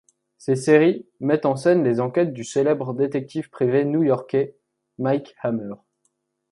Ces séries mettent en scène les enquêtes du célèbre détective privé new-yorkais, Mike Hammer.